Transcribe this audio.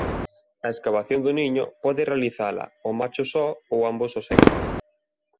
A escavación do niño pode realizala o macho só ou ambos os sexos.